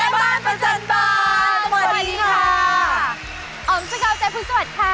อ๋อมทุกวันจาวใจพุธสวัสดิ์ค่ะ